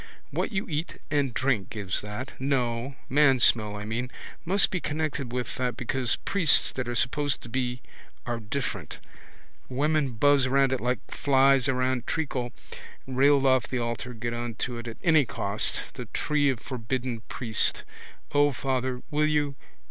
What you eat and drink gives that. No. Mansmell, I mean. Must be connected with that because priests that are supposed to be are different. Women buzz round it like flies round treacle. Railed off the altar get on to it at any cost. The tree of forbidden priest. O, father, will you?